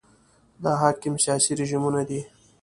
دا حاکم سیاسي رژیمونه دي.